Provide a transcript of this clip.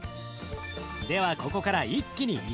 ではここから一気に炒めます。